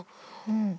うん。